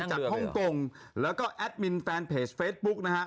ฮ่องกงแล้วก็แอดมินแฟนเพจเฟซบุ๊กนะฮะ